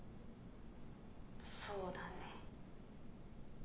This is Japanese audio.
そうだね。